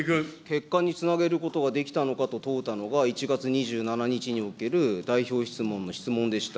結果につなげることができたのかと問うたのが、１月２７日における代表質問の質問でした。